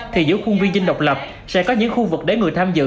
thì giữa khuôn viên dinh độc lập sẽ có những khu vực để người tham dự